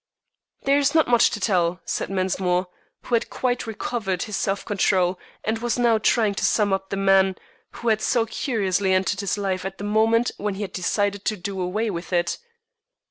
"There is not much to tell," said Mensmore, who had quite recovered his self control, and was now trying to sum up the man who had so curiously entered his life at the moment when he had decided to do away with it.